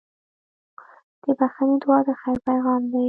د بښنې دعا د خیر پیغام دی.